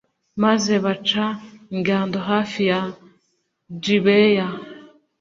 maze baca ingando hafi ya gibeya